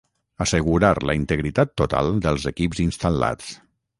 Assegurar la integritat total dels equips instal·lats